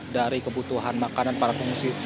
dari kebutuhan makanan para pengungsi